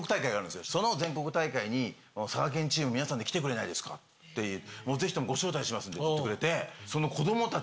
その全国大会に「佐賀県チームの皆さんで来てくれないですか？」って「ぜひともご招待しますんで」って言ってくれて。